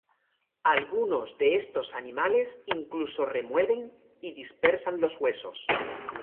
Algunos de estos animales incluso remueven y dispersan los huesos.